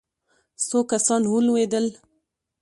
څو کسان ولوېدل.